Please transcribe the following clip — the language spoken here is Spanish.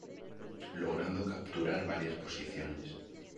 Logrando capturar varias posiciones.